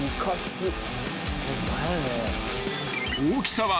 ［大きさは］